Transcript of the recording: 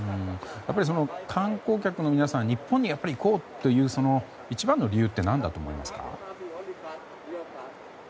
やっぱり観光客の皆さん日本に行こうという一番の理由って何だと思いますか。